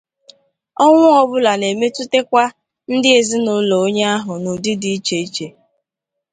Ọnwụ ọbụla na-emetụtakwa ndị ezinụlọ onye ahụ n'ụdị dị iche iche.